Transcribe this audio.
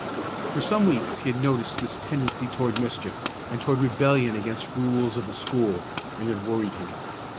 For some weeks he had noticed this tendency toward mischief and toward rebellion against rules of the school, and it worried him.